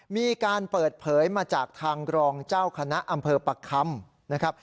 มีการเปิดเผยมาจากทางรองเจ้าคณะอำเภอประคำนะครับ